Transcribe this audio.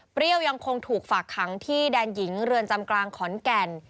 ยังคงถูกฝากขังที่แดนหญิงเรือนจำกลางขอนแก่น